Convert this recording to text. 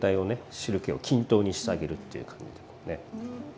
汁けを均等にしてあげるっていう感じでこうね。